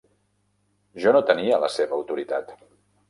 Jo no tenia la seva autoritat.